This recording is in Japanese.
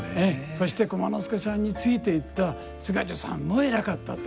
そして駒之助さんについていった津賀寿さんも偉かったと。